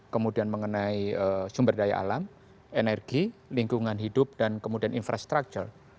kemudian mengenai sumber daya alam energi lingkungan hidup dan kemudian infrastruktur